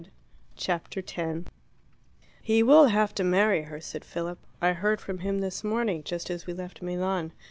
Chapter 10 "He will have to marry her," said Philip. "I heard from him this morning, just as we left Milan.